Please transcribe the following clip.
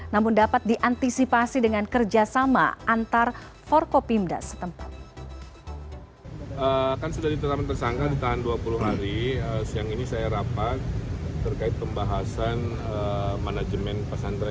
namun dapat diantisipasi dengan kerjasama antar forkopimda setempat